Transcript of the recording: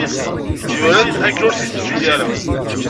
Yura-t akken ur t-itettu ara.